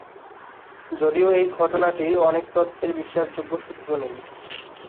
যদিও এই ঘটনাটির অনেক তথ্যের বিশ্বাসযোগ্য সূত্র নেই।